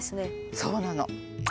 そうなの。